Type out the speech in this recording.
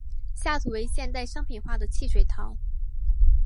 下图为现代商品化的汽水糖。